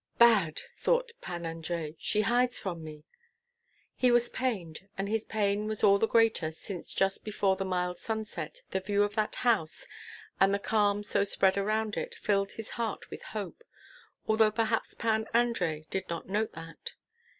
"Bad!" thought Pan Andrei; "she hides from me." He was pained, and his pain was all the greater since just before the mild sunset, the view of that house, and the calm so spread around it filled his heart with hope, though perhaps Pan Andrei did not note that.